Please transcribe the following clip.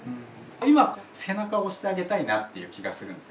今背中を押してあげたいなっていう気がするんですよ。